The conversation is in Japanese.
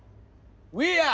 ウィーアー。